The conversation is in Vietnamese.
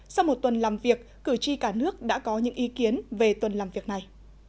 sau một tuần làm việc cử tri cả nước đã có những ý kiến về tuần làm việc này